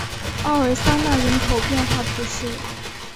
奥尔桑讷人口变化图示